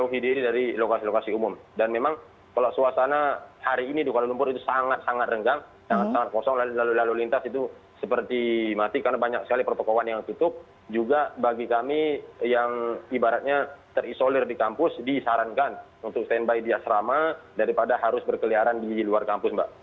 jauhi diri dari lokasi lokasi umum dan memang kalau suasana hari ini di kuala lumpur itu sangat sangat renggang sangat sangat kosong lalu lintas itu seperti mati karena banyak sekali pertukungan yang tutup juga bagi kami yang ibaratnya terisolir di kampus disarankan untuk stand by di asrama daripada harus berkeliaran di luar kampus mbak